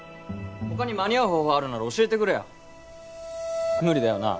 他に間に合う方法あるなら教えてくれよ無理だよな